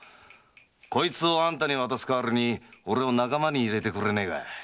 こいつをあんたに渡す代わりに俺を仲間に入れてくれねえか？